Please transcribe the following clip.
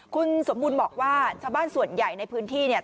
คุณสมบูรณ์บอกว่าชาวบ้านส่วนใหญ่ในพื้นที่เนี่ย